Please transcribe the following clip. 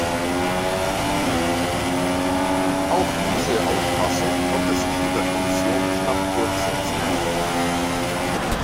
Auch diese Auffassung konnte sich in der Kommission knapp durchsetzen.